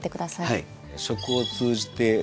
はい。